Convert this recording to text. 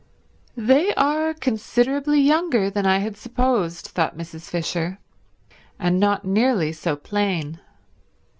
"They are considerably younger than I had supposed," thought Mrs. Fisher, "and not nearly so plain."